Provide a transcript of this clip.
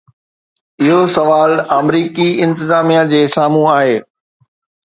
اهو سوال آمريڪي انتظاميه جي سامهون آهي.